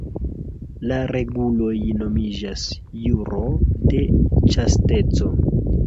La reguloj nomiĝas "ĵuro de ĉasteco".